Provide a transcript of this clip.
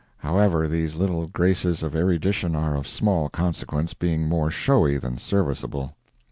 However, these little graces of erudition are of small consequence, being more showy than serviceable.